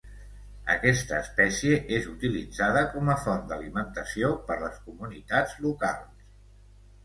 Aquesta espècie és utilitzada com a font d'alimentació per les comunitats locals.